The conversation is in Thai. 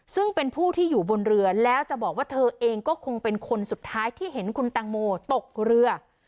ซึ่งเป็นผู้ที่อยู่บนเรือแล้วจะบอกว่าเธอเองก็คงเป็นคนสุดท้ายที่เห็นคุณแตงโมตกเรือ